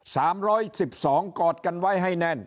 สามร้อยสิบสองกอดกันไว้ให้แน่น